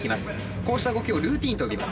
こうした動きをルーティーンと呼びます。